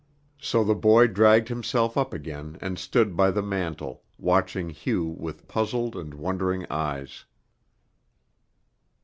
So the boy dragged himself up again and stood by the mantel, watching Hugh with puzzled and wondering eyes.